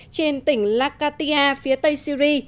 trên tỉnh lakatia phía tây syri